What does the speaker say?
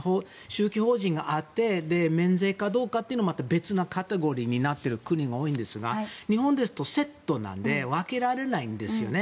宗教法人があって免税かどうかというのはまた別のカテゴリーになっている国が多いんですが日本ですとセットなので分けられないんですよね。